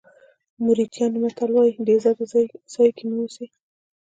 موریتاني متل وایي بې عزته ځای کې مه اوسئ.